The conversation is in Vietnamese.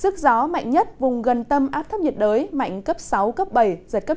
sức gió mạnh nhất vùng gần tầm áp thấp nhiệt đới mạnh cấp bảy giật cấp chín